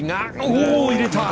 おお、入れた！